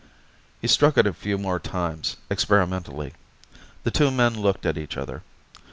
He struck it a few more times, experimentally. The two men looked at each other.